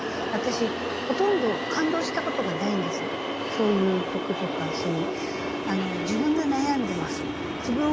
そういう曲とか詞に。